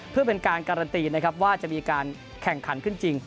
เพื่อเป็นการการันตีนะครับว่าจะมีการแข่งขันขึ้นจริง